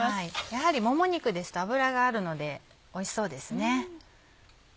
やはりもも肉ですと脂があるのでおいしそうですね。